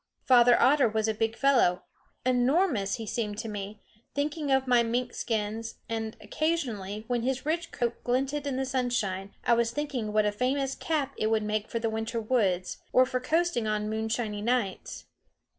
Father Otter was a big fellow, enormous he seemed to me, thinking of my mink skins, and occasionally, when his rich coat glinted in the sunshine, I was thinking what a famous cap it would make for the winter woods, or for coasting on moonshiny nights.